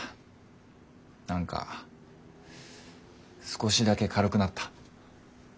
何か少しだけ軽くなった。